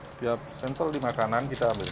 setiap sentral di makanan kita ambil